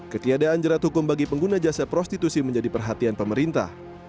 ketiadaan jerat hukum bagi pengguna jasa prostitusi menjadi perhatian pemerintah